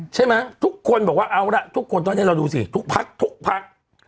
ใช่ไหมทุกคนบอกว่าเอาล่ะทุกคนตอนนี้เราดูสิทุกพักทุกพัก